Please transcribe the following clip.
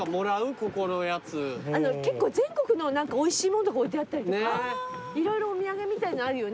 結構全国の何かおいしいものとか置いてあったりとか色々お土産みたいのあるよね。